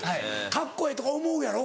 カッコええとか思うやろ？